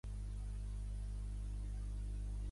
És una extensió del mètode de Rayleigh.